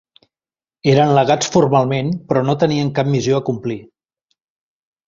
Eren legats formalment però no tenien cap missió a complir.